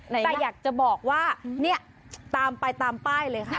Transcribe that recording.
แต่อยากจะบอกว่าเนี่ยตามไปตามป้ายเลยค่ะ